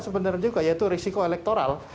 sebenarnya juga yaitu risiko elektoral